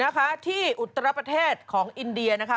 อัธภาพที่อุตราประเทศของอินเดียนะคะ